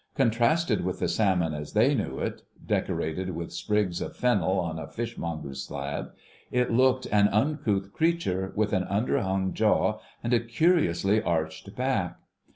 Contrasted with the salmon as they knew it—decorated with sprigs of fennel on a fishmonger's slab—it looked an uncouth creature, with an underhung jaw and a curiously arched back.